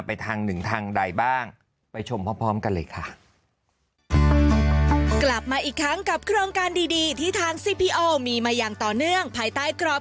ไปชมพร้อมกันเลยค่ะ